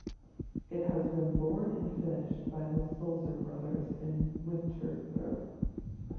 It had been bored and finished by the Sulzer Brothers in Winterthur.